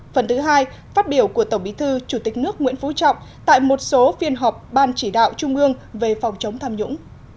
phần thứ hai phát biểu của tổng bí thư chủ tịch nước nguyễn phú trọng tại một số phiên họp ban chỉ đạo trung ương về phòng chống tham nhũng